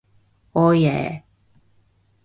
오예!